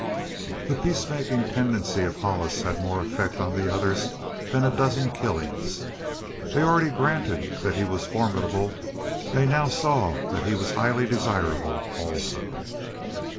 The peacemaking tendency of Hollis had more effect on the others than a dozen killings. They already granted that he was formidable. They now saw that he was highly desirable also.